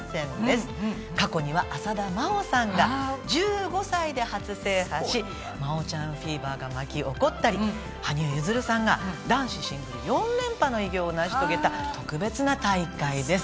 過去には浅田真央さんが１５歳で初制覇し真央ちゃんフィーバーが巻き起こったり羽生結弦さんが男子シングル４連覇の偉業を成し遂げた特別な大会です。